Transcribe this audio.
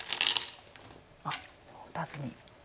あっ打たずに。